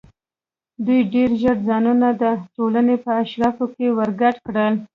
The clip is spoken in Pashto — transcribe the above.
دوی ډېر ژر ځانونه د ټولنې په اشرافو کې ورګډ کړل.